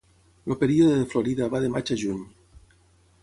El període de florida va de maig a juny.